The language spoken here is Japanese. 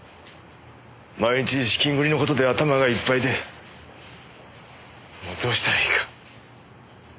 毎日資金繰りの事で頭がいっぱいでもうどうしたらいいか。